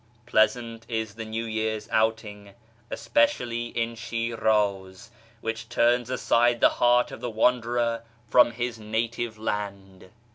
Pleasant is the New Year's outing, especially in Shiraz, Which turns aside the heart of the wanderer from his native land.